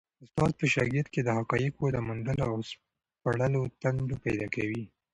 استاد په شاګرد کي د حقایقو د موندلو او سپړلو تنده پیدا کوي.